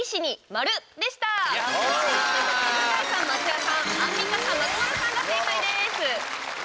ということで向井さん松也さんアンミカさん松丸さんが正解です。